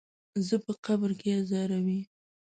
زه په قبر کې ازاروي.